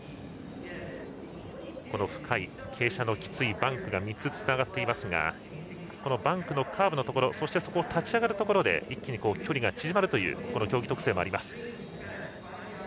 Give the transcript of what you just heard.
深く傾斜のきついバンクが３つつながっていますがバンクのカーブのところ立ち上がるところで一気に距離が縮まるという競技特性もあります。